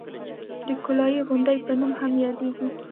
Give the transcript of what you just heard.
د کولالۍ غونډۍ په نامه هم یادېږي.